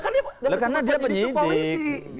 karena dia penyidik